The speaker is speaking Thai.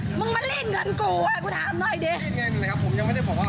เฮ้ยมึงมาลีนเงินกูอ่ะกูถามหน่อยดี